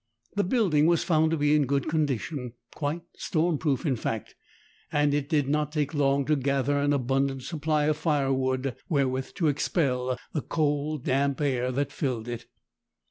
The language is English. The building was found to be in good condition—quite storm proof, in fact—and it did not take long to gather an abundant supply of firewood wherewith to expel the cold, damp air that filled it.